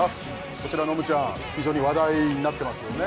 こちらのむちゃん非常に話題になってますよね